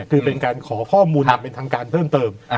คือเป็นการขอข้อมูลอย่างเป็นทางการเพิ่มเติม